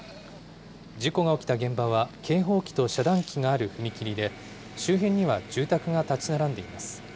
事故が起きた現場は、警報器と遮断機がある踏切で、周辺には住宅が建ち並んでいます。